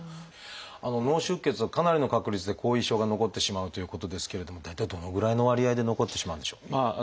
脳出血はかなりの確率で後遺症が残ってしまうということですけれども大体どのぐらいの割合で残ってしまうんでしょう？